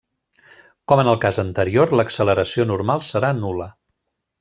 Com en el cas anterior l'acceleració normal serà nul·la.